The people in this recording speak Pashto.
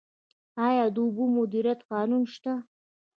آیا د اوبو مدیریت قانون شته؟